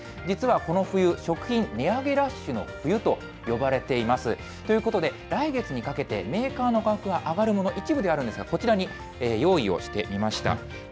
実はこの冬、食品値上げラッシュの冬というふうに呼ばれています。ということで、来月にかけて、メーカーの価格が上がるもの、一部ではあるんですが、こちらに用意をしてみました。